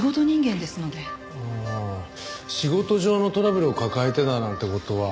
仕事上のトラブルを抱えていたなんて事は？